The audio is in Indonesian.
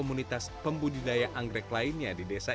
maupun anggota komunitas pembudidaya anggrek lainnya di desa ini